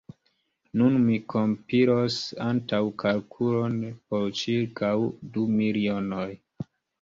Nun mi kompilos antaŭkalkulon por ĉirkaŭ du milionoj.